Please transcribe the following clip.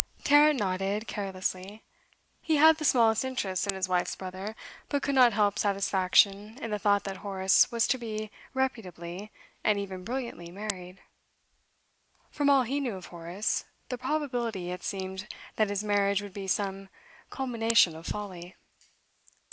Tarrant nodded carelessly. He had the smallest interest in his wife's brother, but could not help satisfaction in the thought that Horace was to be reputably, and even brilliantly, married. From all he knew of Horace, the probability had seemed that his marriage would be some culmination of folly.